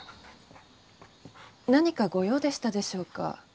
何かご用でしたでしょうか？